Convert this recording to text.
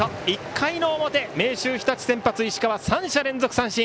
１回の表、明秀日立先発石川、３者連続三振。